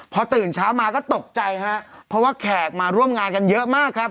พอตื่นเช้ามาก็ตกใจฮะเพราะว่าแขกมาร่วมงานกันเยอะมากครับ